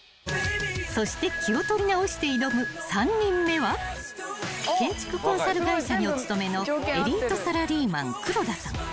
［そして気を取り直して挑む３人目は建築コンサル会社にお勤めのエリートサラリーマン黒田さん］